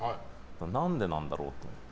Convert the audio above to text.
何で何だろうと思って。